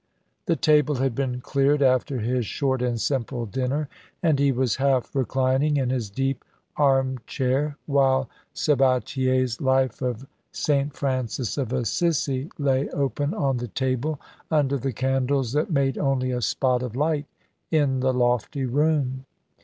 The table had been cleared after his short and simple dinner, and he was half reclining in his deep arm chair while Sabatier's "Life of St. Francis of Assisi" lay open on the table under the candles that made only a spot of light in the lofty room.